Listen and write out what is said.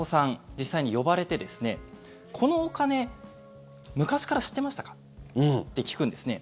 実際に呼ばれてこのお金昔から知ってましたか？って聞くんですね。